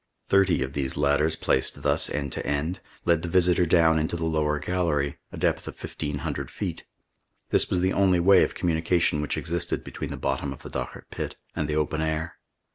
Thirty of these ladders placed thus end to end led the visitor down into the lower gallery, a depth of fifteen hundred feet. This was the only way of communication which existed between the bottom of the Dochart pit and the open air.